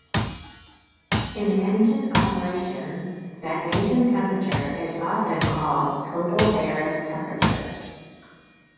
In engine operations, stagnation temperature is often called total air temperature.